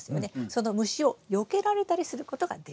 その虫をよけられたりすることができる。